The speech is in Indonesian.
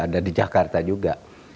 ada di jakarta juga